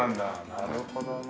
なるほどな。